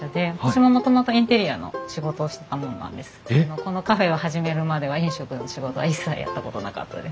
このカフェを始めるまでは飲食の仕事は一切やったことなかったです。